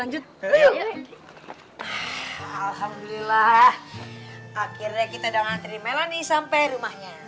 alah akhirnya kita udah ngantri melani sampai rumahnya